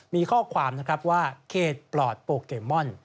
มีข้อความนะครับว่าเขตปลอดโปเกมอน